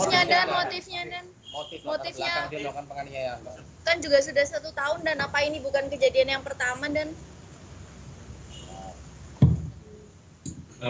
penyadaan motifnya dan motif motifnya kan juga sudah satu tahun dan apa ini bukan kejadian yang pertama dan